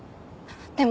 でも。